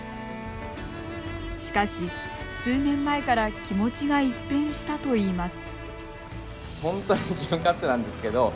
しかし、数年前から気持ちが一変したといいます。